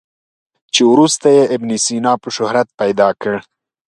چې وروسته یې ابن سینا په شهرت پیدا کړ.